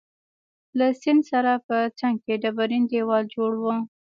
له سیند سره په څنګ کي ډبرین دیوال جوړ وو.